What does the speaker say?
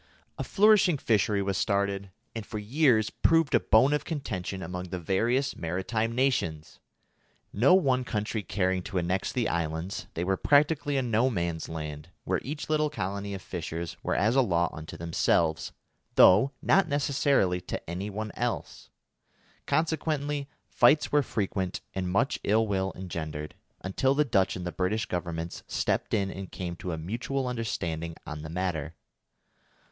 A flourishing fishery was started, and for years proved a bone of contention among the various maritime nations. No one country caring to annex the islands, they were practically a no man's land, where each little colony of fishers were as a law unto themselves, though not necessarily to any one else. Consequently fights were frequent and much ill will engendered, until the Dutch and the British Governments stepped in and came to a mutual understanding on the matter.